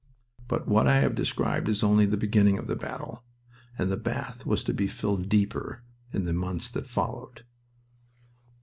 But what I have described is only the beginning of the battle, and the bath was to be filled deeper in the months that followed.